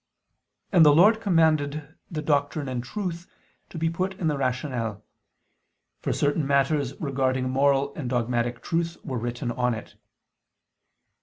And the Lord commanded the "Doctrine and Truth" to be put in the rational: for certain matters regarding moral and dogmatic truth were written on it.